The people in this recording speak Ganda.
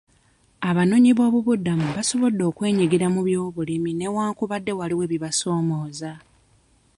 Abanoonyiboobubudamu basobodde okwenyigira mu byobulimi newankubadde waliwo ebibasoomooza.